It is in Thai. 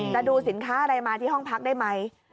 ดูสินค้าอะไรมาที่ห้องพักได้ไหม